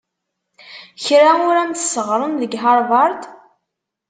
Kra ur am-t-sseɣren deg Havard?